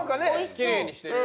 きれいにしてる。